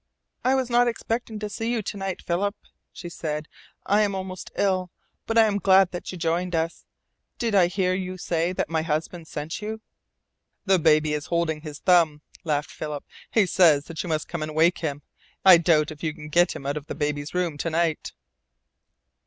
"I was not expecting to see you to night, Philip," she said. "I am almost ill. But I am glad now that you joined us. Did I hear you say that my husband sent you?" "The baby is holding his thumb," laughed Philip. "He says that you must come and wake him. I doubt if you can get him out of the baby's room to night."